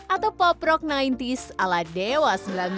atau pop rock sembilan puluh s ala dewa sembilan belas